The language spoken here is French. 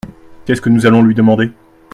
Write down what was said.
Qu’est-ce que nous allons lui demander ?